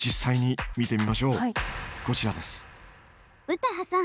・詩羽さん